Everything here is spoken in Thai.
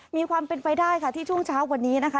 มีความเป็นไปได้ค่ะที่ช่วงเช้าวันนี้นะคะ